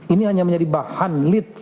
ini hanya menjadi bahan